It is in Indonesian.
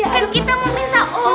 kan kita mau minta obat ya